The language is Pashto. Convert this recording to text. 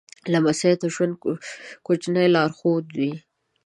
لمسی د ژوند کوچنی لارښود وي.